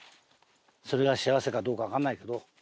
それが幸せかどうかわかんないけど。